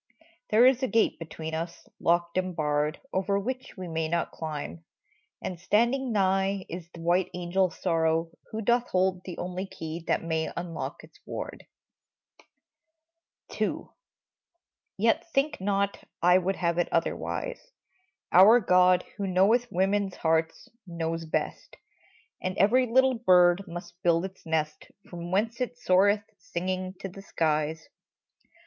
There is a gate between us, locked and barred. Over which we may not climb ; and standing nigh Is the white angel Sorrow, who doth hold The only key that may unlock its ward ! II. Yet think not I would have it otherwise ! Our God, who knoweth women's hearts, knows best And every little bird must build its nest From whence it soareth, singing, to the skies.